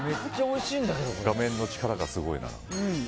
画面の力がすごいな。